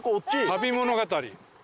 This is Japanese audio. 旅物語。